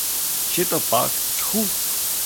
Чи то пак: тьху!